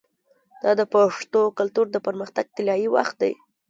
دا د پښتو کلتور د پرمختګ طلایی وخت دی.